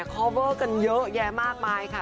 คอเวอร์กันเยอะแยะมากมายค่ะ